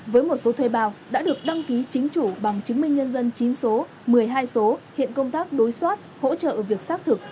với một số thuê bao đã được đăng ký chính chủ bằng chứng minh nhân dân chín số một mươi hai số hiện công tác đối soát hỗ trợ việc xác thực